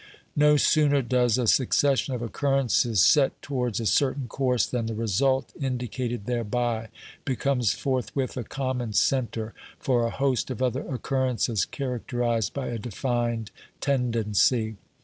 No sooner does a succession of occurrences set towards a certain course than the result indicated thereby becomes forthwith a common centre for a host of other occurrences characterised by a defined tendency.